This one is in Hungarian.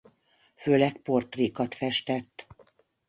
Főleg portrékat festett.